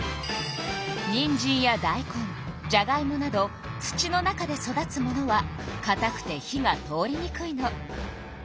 にんじんやだいこんじゃがいもなど土の中で育つものはかたくて火が通りにくいの。